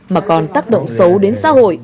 mà còn tác động xấu đến xã hội